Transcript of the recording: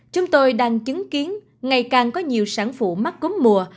chúng tôi đang chứng kiến ngày càng có nhiều sáng phủ mắc cúm mùa